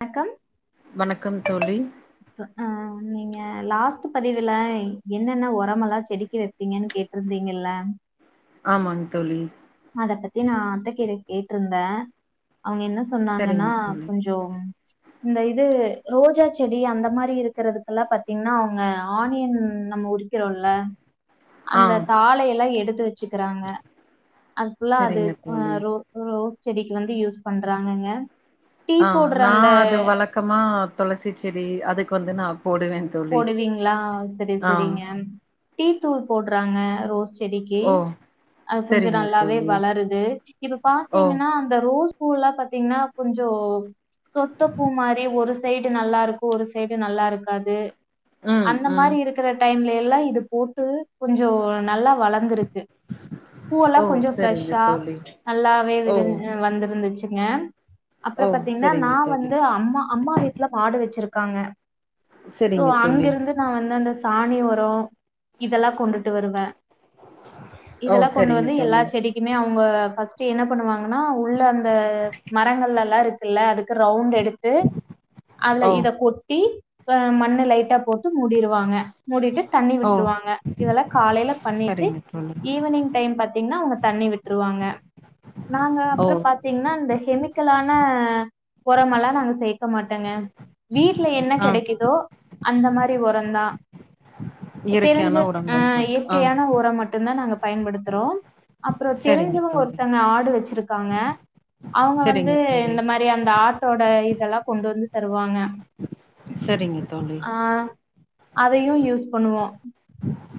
வணக்கம் வணக்கம் தோழி அஹ் நீங்க லாஸ்ட் பதிவுல என்னென்ன உரமெல்லாம் செடிக்கு வைப்பீங்கன்னு கேட்டுருந்தீங்கல்ல ஆமாங்க தோலி அத பத்தி நான் அத்தகிட கேட்டு கேட்டிருந்தேன் அவங்க என்ன சொன்னாங்கன்னா சரிங்க தோழி கொஞ்சம் இந்த இது ரோஜா செடி அந்த மாதிரி இருக்கிறதுக்கெல்லாம் பாத்தீங்கன்னா அவங்க ஆனியன் நம்ம உரிக்கிறோம்ல ஆ அந்த தாளையெல்லாம் எடுத்து த்து வச்சுக்கிறாங்க அதுக்குல்ல அது சரிங்க தோழி ரோ ரோஸ் செடிக்கு வந்து யூஸ் பண்றாங்கங்க டீ ஆஹ் போடுற அந்த நான் அது வழக்கமா துளசி செடி அதுக்கு வந்து நா போடுவே தோழி போடுவீங்களா சரி ஆ சரிங்க டீ தூள் போடுறாங்க ரோஸ்ட் செடிக்கு ஓ அது கொஞ்சம் சரிங்க நல்லாவே தோழி வளருது இப்ப ஓ பாத்தீங்கன்னா அந்த ரோஸ் செ பூ எல்லாம் பாாரத்தீங்கன்னா கொஞ்சம் சொத்த பூ மாதிரி ஒரு சைடு நல்லா இருக்கும் ஒரு சைடு நல்லா இருக்காது ம் அந்த ம் மாதிரி இருக்கிற டைம்லயெ லே இது போட்டு கொஞ்சம் நல்லா வளர்ந்திருக்கு ஓ பூல்லாம் கொஞ்சம் சரிங்க ப்ரெஷ்ஷா தோழி நல்லாவே ஓ விருந்து வந்திருந்துச்சு ங்க ஓ அப்புறம் பாத்தீங்கன்னா சரிங்க நான் தோழி வந்து அம்மா அம்மா வீட்டுல மாடு வச்சிருக் இருக்காங்க சோ சரிங்க தோழி அங்கிருந்து நான் வந்து அந்த சாணி உரம் இதெல்லாம் கொண்டுட்டு வருவேன் ஓ இதெல்லாம் கொண்டு சரிங்க வந்து எல்லா தோழி செடிக்குமே அவங்க அவங்க பஸ்ட்ட் என்ன பண்ணுவாங்கன்னா உள்ள அந்த மரங்கள்ல எல்லாம் இருக்குல்ல அதுக்கு ரவுண்ட் எடுத்து அதுல ஓ இத கொட்டி அஹ மண் லைட்டா போட்டு மூடிடுவாங்க மூடிட்டு தண்ணி ஓ விட்டுருவாங்க இதெல்லாம் காலையில பண்ணிட்டு சரிங்க தோழி ஈவினிங் டைம் பாத்தீங்கன்னா அவங்க தண்ணி விட்டுருவாங்க நாங்க ஓ அப்புறம் பாத்தீங்கன்னா இந்த கெமிக்கல்லான ஆஹ் பொறமலா எல்லாம் நாங்க சேர்க்க மாட்டேங்க வீட்டுல என்ன ஆ கிடைக்குதோ அந்த மாதிரி ஒரந்தான் தெரிஞ்சு இயற்கையான உரங்கள் அஹ் மட்டு ஆ இயற்கையான ஒரம் மட்டும் தான் பயன்படுத்துறோம் அப்புறம் சரிங்க தெரிஞ்சவங்க தோழி ஒருத்தவங்க ஆடு வச்சிருக்க இருக்காங்க அவங்க வந்து சரிங்க தோழி இந்த மாதிரி அந்த ஆட்டோட இது இதல்லாம் கொண்டு வந்து தருவாங்க சரிங்க தோழி ஆஹ் அதையும் யூஸ் பண்ணுவோம்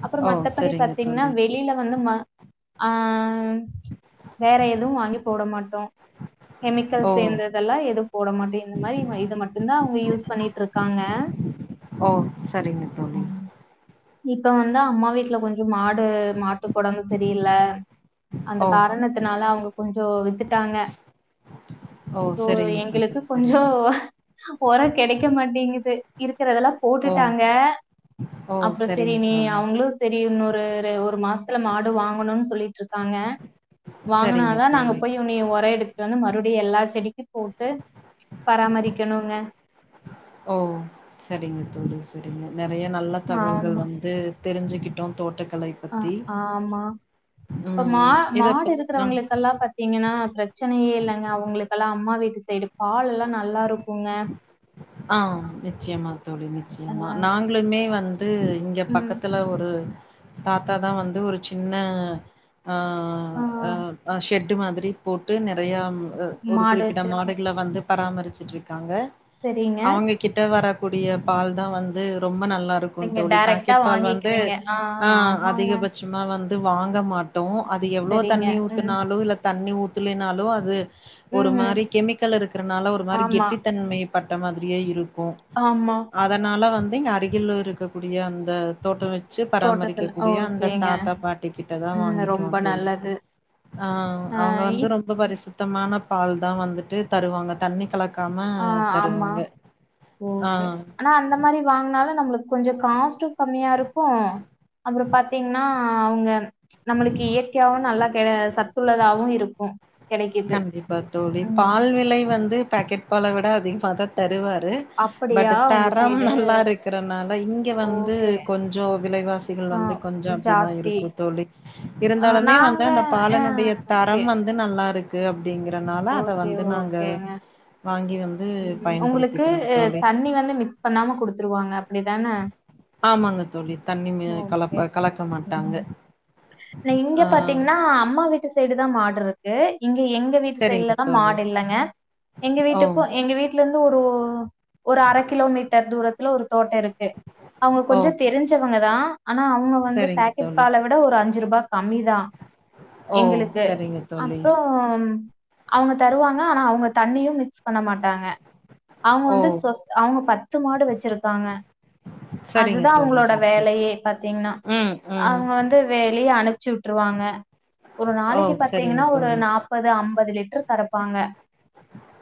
அப்புறம் ஓ மத்தபடி சரிங்க பாத்தீங்கன்னா தோழி வெளியில வந்து ம ஆஹ் வேற எதுவும் வாங்கி போட மாட்டோம் ஓ கெமிக்கல்ஸ் எந்ததலாம் எது போட மாட்டேன் இந்த மாதிரி இத மட்டும் தான் அவங்க யூஸ் பண்ணிட்டு இருக்காங்க ஓ சரிங்க தோழி இப்ப வந்து அம்மா வீட்டுல கொஞ்சம் மாடு மாட்டுக் உடம்பு சரியில்ல அந்த ஓ காரணத்தினால அவங்க கொஞ்சம் வித்துட்டாங்க ஓ சோ சரிங்க தோழி எங்களுக்கு சரிங்க கொஞ்சம் ஒர கிடைக்க மாட்டேங்குது இருக்கெரதல்லாம் ஓ போட்டுட்டாங்க ஓ அப்புறம் சரி சரிங்க நீ தோழி அவங்களும் சரி இன்னொ ஒரு ஒரு மாசத்துல மாடு வாங்கணும்னு சொல்லிட்டு இருக்காங்க சரிங்க வாங்கினாதான் நாங்க தோழி போய் உனிய ஒர எடுத்து வந்து மறுபடியும் எல்லா செடிக்கும் போட்டு பராமரிக்கணுங்க ஓ சரிங்க தோழி சரிங்க நிறைய நல்ல தகவல்கள் வந்து தெரிஞ்சுக்கிட்டு ட்டோ தோட்டத் அஹ் ஆமா இப்ப மா ம் இத மாடு பத் ஆ இருக்கிறவங்களுக்கெல்லாம் பாத்தீங்கன்னா பிரச்சனையே இங்க அவங்களுக்கெல்லாம் அம்மா வீட்டு சைடு பால் எல்லாம் நல்லா இருக்குங்க ஆஹ் நிச்சயமா தோழி ஆ நிச்சயமா நாங்களுமே வந்து வந்து இங்க ம் பக்கத்துல ஒரு தாத்தாதா வந்து ஒரு சின்ன ஆ அஹ் அஹ் ஷெ ட்டு மாதிரி போட்டு நறயா ஒரு மாடு குறிப்பிட்ட வச்சிருக்கோ மாடுகள வந்து பராமரிச் ட்ருக்காங்க சரிங்க அவங்க கிட்ட வரக்கூடிய பால் தா வந்து ரொம்ப நல்லா லாருக்கு நீங்க தோழி டைரக்டா பாக்கெட் பால் வந்து வாங்கிக்குவீங்க ஆ ஆமாங்க அதிகபட்சமா வந் த் வாங்க மா அது எவ்ளோ சரிங்க. தண்ணி ம். ஊத்துனாலு இல்ல தண்ணி ஊ த்துலினாலோ அது ஒரு ம்ஹ்ம். மாரி கெமிக்கல் இருக்குறனால ஒரு மாரி ஆமா, கெட்டித்தன்மை பட் டமாதிரியே இரு ஆமா. அதனால வந்து இங்க அருகிலுருக்கு குடிய அந்த தோட்ட ச்சு பராமரிக்க தோட்டத்துல. கூடிய அந்த ஓகேங்க. தாத்தா பாட்டி கிட்ட தான் ம். வாங்கிக்கவ ரொம்ப தோழி நல்லது. ஆஹ் அ அவங்க வந்து இப் ரொம்ப பரிசுத்தமான பால் தா வந்துட்டு தருவாங்க தண்ணி கலக் கம ஆ ஆமா ஓகே அஆனா அந்த மாரி வாங்னால நம்ளு கொஞ்சோ காஸ்ட்டு கம்மியா இருக்கு அப்பற பாத்தீங்கன்னா அவுங்க நம்ளுக்கு இயற்கையாவு நல்லா சத்துள்ளதாவு இருக்கு கண்டிப்பா தோழி பால் விலை வந்து பாக்கெட் பல விட அதிகமா தா தருவா அது அப்படியா பட் உங்க தரம் சைடு? நல்லா இருக்கறனால இங்க வந்து ஓகே. கொஞ்ச விலைவாசிகள் ஆ வந்து கொஞ்ச அப்டிதா ஜாஸ்தி. இருக்கு தோழி அ இருந்தாலுமே வந்து நாங்க அந்த அ பாலனுடைய ஓகே, தரம் வந்து நல்லா இரு [unintelligible] ஓகே ஓகேங்க வாங்கி வந்து அங்களுக்கு பயன்படுத்திக்கிறோம் தோழி. தண்ணி வந்து மிக்ஸ் பண்ணாம குடுத்துருவாங்க அப்டிதான ஆமாங்க தோழி தண்ணி மி ஓக்கே கலப்ப கலக்க மாட்டாங்க. நீ இங்க ஆ பாத்தீங்கன்னா அம்மா வீட்டு சைடு தா மாடுரு இங்க எங்க வீட் சரிங்க சைல்லாதா தோழி. மாடு இல்லங்க எங்க ஓ வீட்டுக்கு எங்க வீட்லந்து ஒரு ஹ ஒரு அர கிலோ மீட்ட தூரத்துல ஒரு தோட்ட இருக்கு அவுங்க ஓ கொஞ்ச தெரிஞ்சவங்கதா அனா அவுங்க வந்து சரிங்க பாக்கெட் தோழி. பால விட ஒரு அஞ்சுருபா கம்மிதா ஓ எங்களுக்கு சரிங்க தோழி. அப்றம் அவங்க தருவாங்க ஆனா அவங்க தண்ணியு மிக்ஸ் பண்ண மாட்டாங்க அவங்க ஓ வந்து சொஸ்த் அவங்க பத்து மாடு வச்சிருக்காங்க சரிங்க அதுதான் தோழி அவங்களோட சரிங்க வேலையே பாத்தீங்கன்னா ம் ம் அவங்க வந்து வேலையே அனுப்ச்சிட்டுருவாங்க ஒரு ஓ நாளைக்கு சரிங்க பாத்தீங்கன்னா ஒரு தோழி நாப்பது அம்பது பதிலே ற்று கறப்பாங்க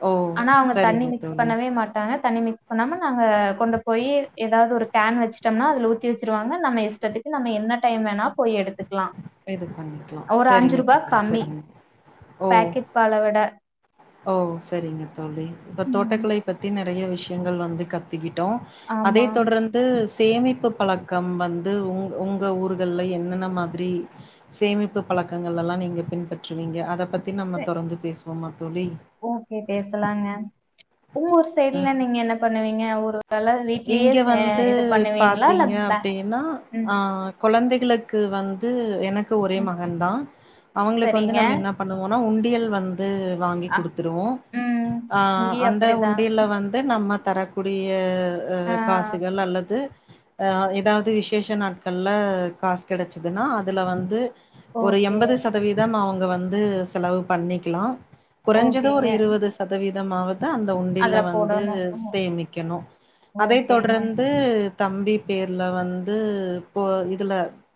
ஓ ஆனா அவங்க தண்ணி சரிங்க மிக்ஸ் தோழி பண்ணவே மாட்டாங்க தண்ணி மிக்ஸ் பன்னாம நாங்க கொண்டு போய் ஏதாவது ஒரு கேன் வச்சுட்டோம்னா அதுல ஊத்தி வச்சுருவாங்க நம்ம இஷ்டத்துக்கு நம்ம என்ன டைம் வேணா போய் எடுத்துக்கலாம். இது பண்ணிக்கலா ஒரு ரூ. சரிங்க தோழி சரிங்க ஓ தவிட ஓ சரிங்க தோழி இப்ப ம். தோட்டக்கலை பத்தி நெறைய விஷயங்கள் வந்து கத்துக்கிட்டு ட்டோ ஆமா. அதைத் தொடர்ந்து சேமிப்பு பழக்கம் வந்து உங் உங்க ஊர்கல்லா என்னென்ன மாரி சேமிப்பு பழக்கங்கள்லெல்லாம் நீங்கள் பின்பற்றுவீங்க அதை பத் [unintelligible] நம்ம சே தொடர்ந்து பேசு பொம தோழி ஓகே பேசலாங்கா உங்க ஊரு ம் சைடுல நீங்க என்ன பண்ணுவீ நீங்க ஒரு வேள வீட்லயே இங்க சே வந்து இது பண்ணுவீங்களா? இல்ல பாத்தீங்க பே அப்டின்னா ம், ஆஹ் கொழந்தை ங்களுக்கு வந்து எனக் க்கு ஒரே ம். மகன்தா அவங்களுக்கு வந்து சரிங்க. நம்ம என்ன பண்ணுவோன்னா உண் ண்டியல் வந் ந்து வாங்கி அ குடுத்துருவோ ம். ஆ இங்கேயும் அந்த அப்படிதான். உண்டியல்ல வந்து நம்ம தரக்கூடிய ஆ. ஆஹ காசிகல் அல்லது ஆ ஏதாவது விசேஷ நாட்கள்ல காசு கெடைச்சதுன்னா அதுல வந்து ஒரு ஓகே. எம்பது சதவீதம் அவங்க வந் ந்து செலவு பண்ணிக்கலா குறைஞ்சது ஒரு ஓகேங்க. இருவது சதவீதம் இந்த மாவு ந்தா அந்த உண்டியல்ல அதுல வந்து போடணும். ம். சேமிக்கணு ஓகேங்க. தொடர்ந்து து தம்பி பேர்ல வந்து இப்போ இதுல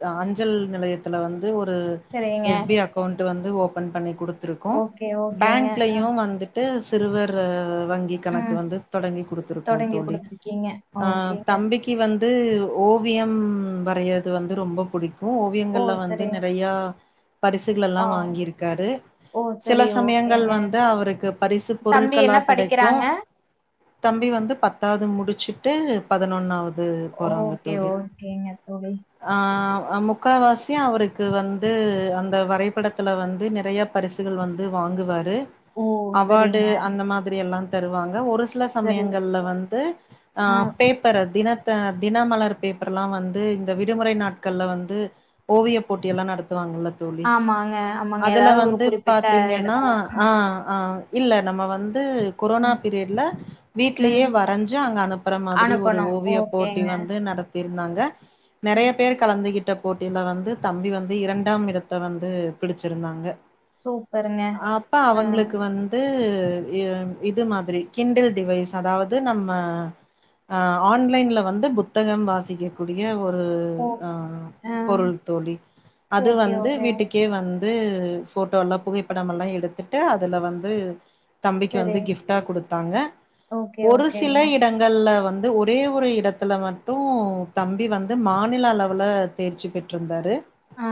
ஆ அஞ்சல் நிலையத்தில வந் ஒரு சரிங்க. எஸ் பி அக்கவுண்ட் வந்து ஓபன் பண்ணி குடுத் இருக்கும் ஓகே, ஓகேங்க. பேங்க்லயும் வந்துட்டு சிறுவர் வங்கி கணக்கு ம். வந்து தொடங்கி குடுத்துருக்கோம் தொடங்கி தோழி குடுத்துருக்கீங்க. ஆஹ் ஓகேங்க. தம்பிக்கு வந்து வந்து ஓவியம் வரையிறது வந்து ரொம்ப பிடிக்கும் க்கும் ஓ! ஓவியங்கள்ல வந்து சரிங்க. நிறைய பரிசுகள் ஆ. எல்லாம் வாங்கியிருக்காரு ஓ! சில சரி. சமயங்கள் ஓகேங்க. வந்து அவருக்கு பரிசு தம்பி பொருட்களா என்ன கிடைக்கும் படிக்கிறாங்க? தம்பி வந்து பத்தாவது முடிச்ச வச்சிட்டு பதினொன்னாவது அது போறாங்க ஓகே, தோழி ஓகேங்க தோழி. ஆஹ் முக்கால்வாசியு அவருக்கு வந்து அந்த வரைபடத்தில வந்து நிறையா பரிசுகள் வந்து வாங்குவாரு ஓ! அவார்டு சரிங்க. அந்த மாதிரி எல்லாம் தருவாங்க ஒரு சில சரி. சமயங்கள்ல வந்து ஆ அ பேப்பர் அது தினத்த தினமலர் பேப்பர்லாம் வந்து இந்த விடுமுறை நாட்கள்ல வந்து ஓவிய போட்டிய எல்லாம் நடத்துவாங்க தோழி ஆமாங்க, ஆமாங்க. அதுல ஏதாவது ஒரு வந்து குறிப்பிட்ட பாத்தீங்கன்னா இடத்துல. ம். ஆஹ் ஆஹ் இல்லை நம்ம வந்து கொரோனா ம். பீரியட்ல ம். வீட்டிலயே வரைஞ்சு அங்க அனுப்ப மாதிரி ஒரு அனுப்பணும். ஓவிய போட்டி ஓகேங்க. வந்து நடத்தி இருந்தாங்க நிறைய பேர் கலந்துகிட்ட போட்டியில வந்து தம்பி வந்து இரண்டாம் இடத்த வந்து பிடிச்சிருந்தாங்க சூப்பருங்க. அப்பா ஆ. அவங்களுக்கு வந்து இது மாதிரி கிண்டில் டிவைஸ் அதாவது அ நம்ம ஆஹ ஆன்லைன்ல வந்து புத்தகம் வாசிக்கக்க கூடிய ஒரு ஓ ஆ. பொருள் தோழி அது ஓகே, வந்து ஓகே. வீட்டுக்கே வந்து வ போட்டோ எல்லாம் புகைப்படம் எல்லாம் எடுத்துட்டு அதுல வந்து தம்பிக்கு சரி வந்து கிஃப்ட்டா கொடுத்தாங்க ஓகே ஒரு சில ஓகேங்க இடங்கள் வந்து ஒரே ஒரு இடத்துல மட்டும் தம்பி வந்து மாநில அளவில்வில தேர்ச்சு பெற்றிருந்தாரு ஆ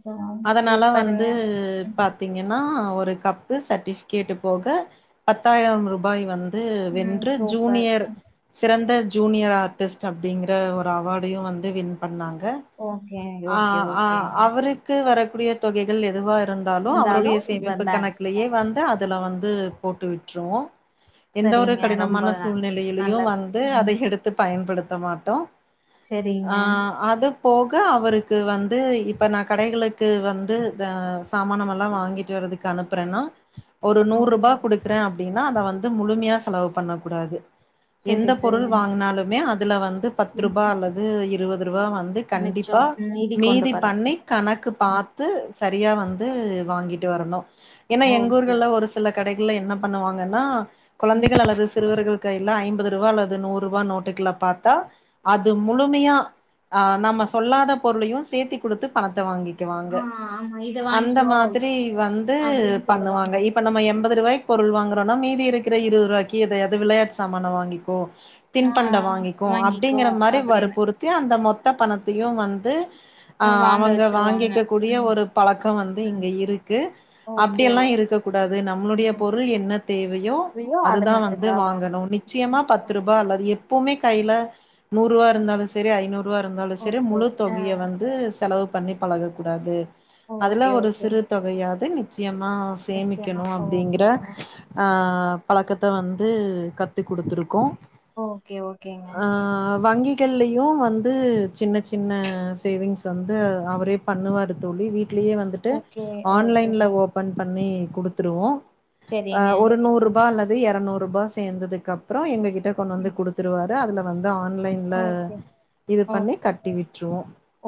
ச அதனால சூப்பருங்க வந்து பாத்தீங்கன்னா ஒரு கப்பு சர்ட்டிபிகேட் போக பத்தாயிரம் ரூபாய் வந் ம் வென்று சூப்பர் ஜூனியர் சிறந்த ஜூனியர் ஆர்டிஸ்ட்டம் அப்படிங்கற ஒரு அவார்டையும் வந்து வின் பண்ணாங்க ஓகே ஓகே ஓகேங்க அவருக்கு வர குடிய தொகைகள் எதுவாக இருந்தாலும் இருந்தாலு அவருடைய ப சேமிப்பு ப கணக்கிலேயே வந்து அதுல வந்து ல் போட்டு விட்டுற்வோம் எந்த ஒரு சரிங்க ரொம்ப கடினமான ந சூழ்நிலையில் அதையும் நல்லது வந்து ம் அதை எடுத்து பயன்படுத்த ட்ட மாட்டோம் சரிங்க ஆஹ் அது போக அவருக்கு வந்து இப்ப நான் கடைகள க்கு வந்து சாமானமல்லாம் வாங்கிட்டு வரறதுக்கு அனுப்புறேன்னா ஒரு நூறு ஓகே ரூபாய் குடுக்குறேன் அப்படின்னா அத வந் முழுமையா செலவு பண்ணக்கூடாது சரி எந்த சரி பொருள் வாங்குனாலுமே அதுல வந்து பத்து ம் ரூபா அல்லது இருவது இவ வந்து மிச்சோ கண்டிப்பா கொண்டு மீதி போறே பண்ணி கணக்கு ம் பாத்து சரியா வந்து வாங்கிட்டு வரணு ஏன்னா எங்க ஓகே ஊர்கள்ல ஒரு சில கடைகளல என்ன பண்ணுவாங்கன்னா கொழந்தைகள் அல்லது சிறுவர்கள் ஐம்பது ரூபா அல்லது நூறு ரூபா நோட்டுக்குள்ள பாத்தா அது முழுமையா நம்ம சொல்லாத பொருளையும் சேத்தி குடுத்து பணத்த வாங்கி வாங்க ஆ ஆமா இத அந்த வாங்கிக்கோ மாதிரி வந்து அப்டின்னு சொல்லுவாங்க பண்ணுவாங்க இப்ப நம்ம எண்பது ரூபாய்க்கு பொருள் வாங்குறனா மீதி இருக்கிற இருதுருவாக்கி எதாவது விளையாட்டு சாமான வாங்கிக்கோ ஆ தின்பண்ட வாங்கிக்கும் வாங்கிக்கோ அப்படிங்கிற மாதிரி அப்டின்னு வர்பொருத்தி அந்த மொத்த பணத்தையும் வந்து ஆ ஆஹ் வாங்க அவங்க வச்சிருவாங்க வாங்கிக்க கூடிய ம் ஒரு பழக்கம் வந்து ம் இங்க இருக்கு ஓகே ஓ அப்படியெல்லாம் இருக்க கூடாது நம்மளுடைய ம் பொருள் என்ன தேவையோ ஐயோ அது அதுதான் வந்து மட்டுந்தா வாங்கு வாங்கணும் நிச்சயமாக பத்து ரூபா அல்லது எப் ப்பவுமே கைல நூறுரூவா இருந்தாலும் சரி ஐநூறு ரூவா இருந்தாலும் சரி ஓகே முழு ஆ தொகைய வந்து செலவு பண்ணி பழகக்கூடாது அதுல ஓகே ஒரு ஓகேங்க. சிறு தொகையாது ப் முக்யமா நிச்சயமா. சேமிக்கணும அப்டிங்கிற ஓகேங்க. ஆ அ பழக்கத்த வந்து கத் த்து குடுத்துருக்கோம் ஓகே ஓகேங்க வங்கிகள்லயு வந்து சின்ன சின்ன சேவிங்ஸ் வந்து அவரே பண்ணுவார் தோழி வீட் ட்லயே வந்துட்டு ஓகே ஆன்லைன்ல ஓகேங்க. ஓபன் பண்ணி குடுத்துருவோ சரிங்க. அஹ் ஒரு நூறு ம், ரூபா அல்லது எரநூ ருபா சேந்ததுக் க்கப்ற எங்ககிட் ட்ட கொண்டு வந்து ம். குடுத்துருவார் இத அதுல வந்து இத ஆன்லைன்ல ஓகே. இது ஓ பண்ணி கட்டிவிட்ருவோ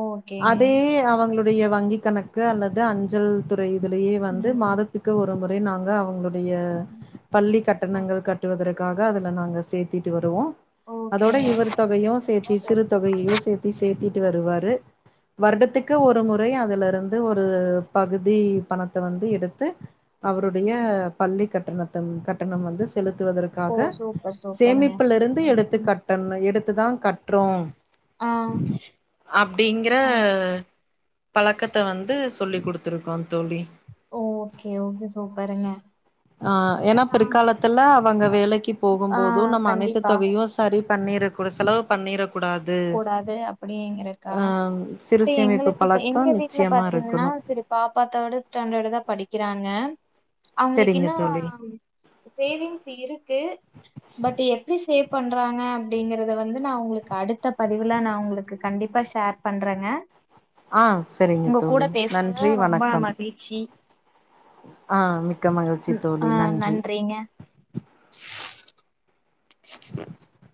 ஓகேங்க. அதே அவங்களுடய வங்கிக் கணக்கு அல்லது அஞ்சல் து ஒரு இதுலயே ம். வந்து மாதத்துக்கு ஒரு அதும் ஒரே நால்ல அவங்களோட் உடைய ம். பள்ளி ஓ கட்டணங்கள் கட்டுவதற் க்காக அதுல நாங்க சேத்திட்டு வருவோ அதோட ஓகேங்க. இவர் தொகையு சேத்தி சிறு தொகையையு சேத்தி சேத்திட்டு வருவாரு வருடத்துக்கு ஒரு முறை அதுல இருந்து ஒரு பகுதி பணத்த வந்து எடுத்து அவருடைய ம். பள்ளி கட் [unintelligible] கட்டணம் வந்து செலுத்துவ ஓ க்காக சூப்பர் சூப்பருங்க. சேமிப்பிலிருந்து ம், எடுத்துக் ம். கட்டண எடுத் த்துதா கட்றோ ஆ, அப்டிங்கற ஆ. பழக்கத்த வந்து சொல்லி் குடுத்துருக்கோந் ஓகே ஓகே சூப்பருங்க ஆஹ் ஏன்னா பிற்காலத்துல அவங்க வேலைக்கி போகும் ஆ போதும் நம்ம அனைத்து கண்டிப்பா. தொகையு சரி இ பண்ணிரக்கூட செலவு பண்ணிரக் கூடாது கூடாது அப்பிடின் இருக்கா ஆ சிறு இது சேமிப்பு எங்களுக்கு பழக்கோ எங்க வீட்ல நிச்சயமா பாத்தீங்னா இருக்கணு சரி பாப்பா தேர்டு ஸ்டாண்டர்டுதா படிக்கிறாங்க அவுங்குளுக்கு செரிங்க இன்னு தோழி சேவிங்ஸ் இருக்கு பட் எப்டி செ சேவ் பண்றாங்க அப்டிங்கறத வந்து நா உங்களுக்கு அடுத்து பதிவுெலாம் நான் உங்களுக்கு கண்டிப்பா ஷேர் பண்றேங்க ஆஹ் சரிங்க உங்க கூட தோழி பேசுனதுல நன்றி ரொம்ப வணக்கம் மகிழ்ச்சி ஆஹ் மிக்க மகிழ்ச்சி ம் ஆ தோழி நன்றி நன்றிங்க [inaudible]